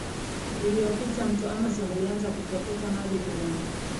iliyopita Mto Amazon ulianza kupekeka maji kinyume